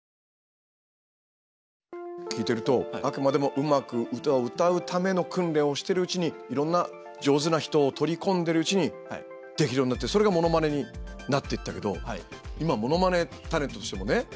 聞いてるとあくまでもうまく歌を歌うための訓練をしてるうちにいろんな上手な人を取り込んでるうちにできるようになってそれがモノマネになっていったけど今モノマネタレントとしてもねたくさん活躍してる。